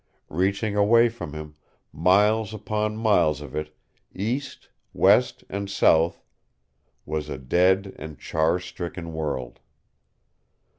Reaching away from him, miles upon miles of it, east, west and south was a dead and char stricken world.